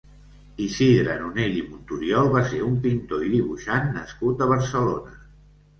Isidre Nonell i Monturiol va ser un pintor i dibuixant nascut a Barcelona.